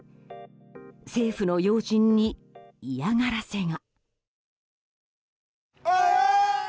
政府の要人に嫌がらせが。